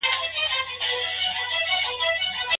هلک او نجلۍ بايد د يو بل عمر وپېژني.